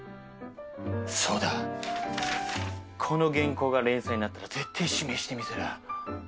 そうだこの原稿が連載になったら絶対指名してみせる！